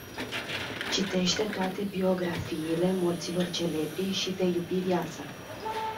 Citește toate biografiile morților celebri și vei iubi viața.